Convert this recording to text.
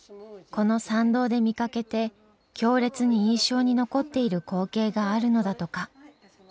この参道で見かけて強烈に印象に残っている光景があるのだとか。